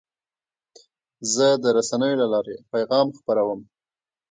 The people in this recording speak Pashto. زه د رسنیو له لارې پیغام خپروم.